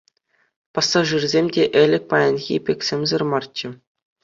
Пассажирӗсем те ӗлӗк паянхи пек сӗмсӗр марччӗ.